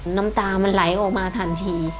น้ำตามันไหลออกมาทันที